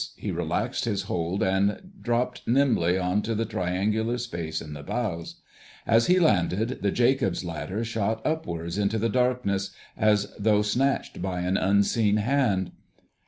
He relaxed his hold and dropped nimbly on to the triangular space in the bows. As he landed, the Jacob's ladder shot upwards into the darkness, as though snatched by an unseen hand.